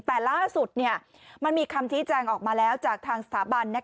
แต่ล่าสุดมันมีคำชี้แจงออกมาแล้วจากทางสถาบัน